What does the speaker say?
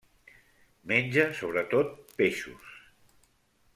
Menja sobretot peixos.